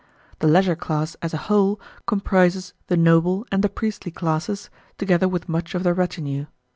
The leisure class as a whole comprises the noble and the priestly classes, together with much of their retinue.